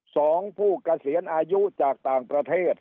สองผู้เกษียณอายุจากต่างประเทศ